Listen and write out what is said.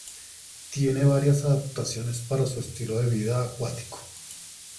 Tiene varias adaptaciones para su estilo de vida acuático.